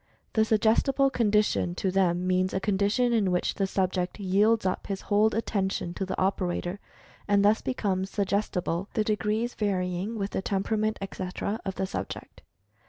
The "Suggestible Condition" to them means a condition in which the subject yields up his whole "attention" to the operator, and thus becomes "suggestible," the degrees varying with the temperament, etc., of the subject.